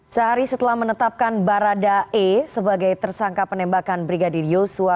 sehari setelah menetapkan barada e sebagai tersangka penembakan brigadir yosua